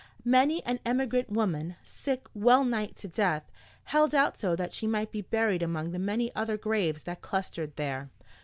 Many an emigrant woman, sick well nigh to death, held out so that she might be buried among the many other graves that clustered there.